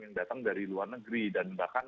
yang datang dari luar negeri dan bahkan